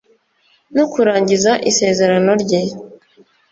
no kurangiza isezerano rye